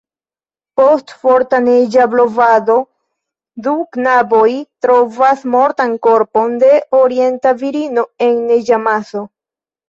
Post forta neĝa blovado, du knaboj trovas mortan korpon de orienta virino en neĝamaso.